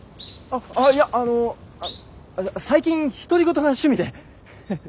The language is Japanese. ああっいやあの最近独り言が趣味で。